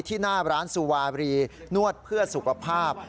หน้าร้านสุวารีนวดเพื่อสุขภาพ